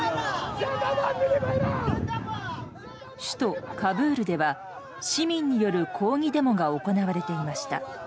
首都カブールでは市民による抗議デモが行われていました。